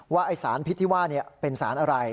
ว่าไอ้สารพิษที่ว่าเป็นสารอะไร